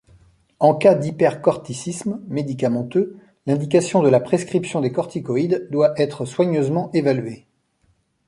En cas d'hypercorticisme médicamenteux, l'indication de la prescription des corticoïdes doit être soigneusement évaluée.